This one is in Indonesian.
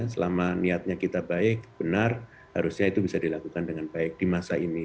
selama niatnya kita baik benar harusnya itu bisa dilakukan dengan baik di masa ini